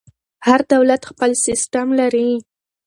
هر دولت خپل سیسټم لري.